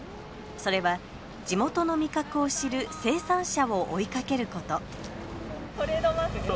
それは地元の味覚を知る生産者を追いかけることトレードマーク。